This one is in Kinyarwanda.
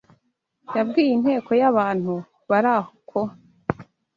yabwiye inteko y’abantu bari aho ko